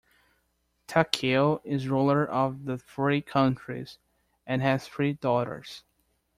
Takeo is ruler of the Three Countries, and has three daughters.